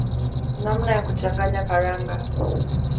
namna ya kuchanganya karanga